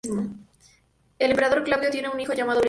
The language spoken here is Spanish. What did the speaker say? El emperador Claudio tiene un hijo llamado Británico.